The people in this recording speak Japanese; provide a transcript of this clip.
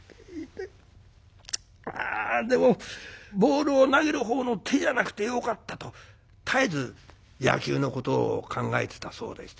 でもボールを投げる方の手じゃなくてよかった」と絶えず野球のことを考えてたそうでして